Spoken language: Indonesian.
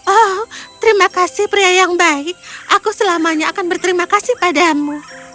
oh terima kasih pria yang baik aku selamanya akan berterima kasih padamu